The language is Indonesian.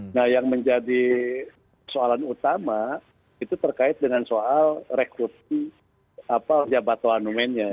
nah yang menjadi soalan utama itu terkait dengan soal rekruti jabatuanumennya